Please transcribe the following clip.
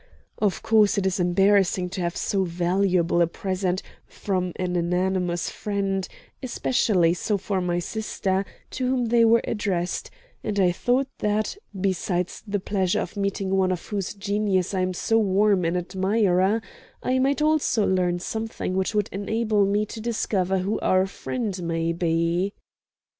Of course it is embarrassing to have so valuable a present from an anonymous friend, especially so for my sister, to whom they were addressed, and I thought that, besides the pleasure of meeting one of whose genius I am so warm an admirer, I might also learn something which would enable me to discover who our friend may be."